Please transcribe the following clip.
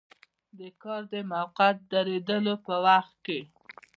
د کار د موقت دریدلو په وخت کې.